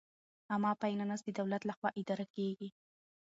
عامه فینانس د دولت لخوا اداره کیږي.